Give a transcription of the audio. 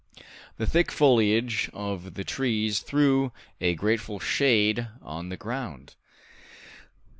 The thick foliage of the trees threw a grateful shade on the ground.